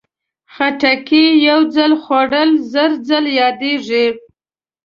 خټکی یو ځل خوړل، زر ځل یادېږي.